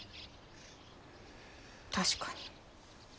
確かに。